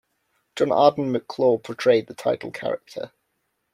John Arden McClure portrayed the title character.